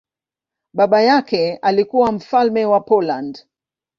Baba yake alikuwa mfalme wa Poland.